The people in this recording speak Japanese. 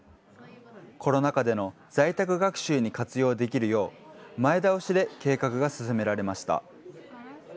コロナ禍での在宅学習に活用できるよう、前倒しで計画が進められました。